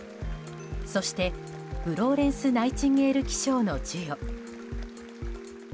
そしてフローレンス・ナイチンゲール記章の授与。